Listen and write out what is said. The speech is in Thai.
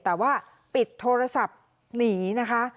แต่ว่าปิดโทรศัพท์หนีนะคะ